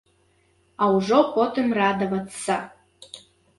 А ўжо потым радавацца.